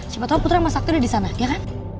siapa tau putri mas sakit udah disana ya kan